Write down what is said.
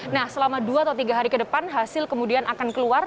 nah selama dua atau tiga hari ke depan hasil kemudian akan keluar